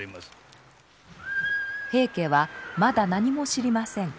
平家はまだ何も知りません。